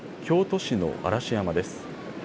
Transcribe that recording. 京都市の嵐山です。